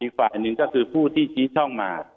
อีกฝ่าอันนึงคือผู้ที่ชี้ช่องมา